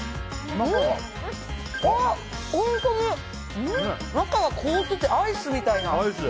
本当に中が凍っててアイスみたいな。